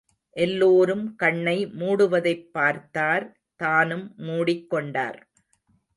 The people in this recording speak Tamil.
எல்லோரும் கண்ணை மூடுவதைப் பார்த்தார் தானும் மூடிக் கொண்டார்.